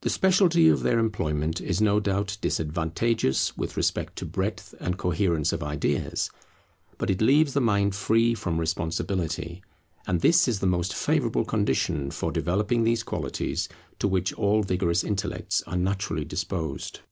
The speciality of their employment is no doubt disadvantageous with respect to breadth and coherence of ideas. But it leaves the mind free from responsibility, and this is the most favourable condition for developing these qualities to which all vigorous intellects are naturally disposed.